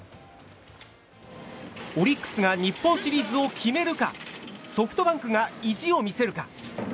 オリックスが日本シリーズを決めるかソフトバンクが意地を見せるか。